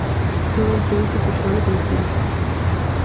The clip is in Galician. Todo un triunfo persoal e colectivo.